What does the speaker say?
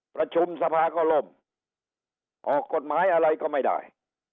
ประชุมสภาก็ล่มออกกฎหมายอะไรก็ไม่ได้